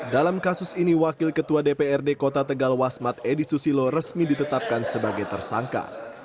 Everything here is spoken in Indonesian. dalam kasus ini wakil ketua dprd kota tegal wasmat edi susilo resmi ditetapkan sebagai tersangka